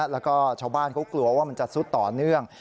แล้วก็ชาวบ้านเขากลัวว่ามันจะซุดต่อเนื่อง